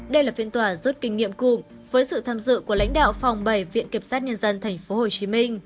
đây là phiên tòa rút kinh nghiệm cụm với sự tham dự của lãnh đạo phòng bảy viện kiểm sát nhân dân tp hcm